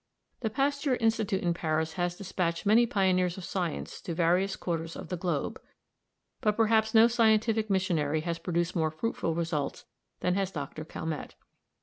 The Pasteur Institute in Paris has despatched many pioneers of science to various quarters of the globe, but perhaps no scientific missionary has produced more fruitful results than has Dr. Calmette.